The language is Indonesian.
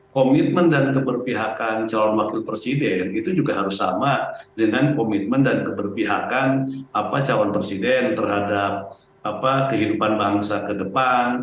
komitmen dan keberpihakan calon wakil presiden itu juga harus sama dengan komitmen dan keberpihakan calon presiden terhadap kehidupan bangsa ke depan